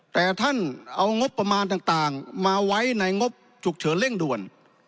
แต่ท่านเอางบประมาณต่างมาไว้ในงบฉุกเฉินเร่งด่วน